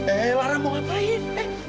eh lara mau ngapain